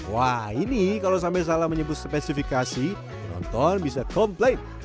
wah ini kalau sampai salah menyebut spesifikasi penonton bisa komplain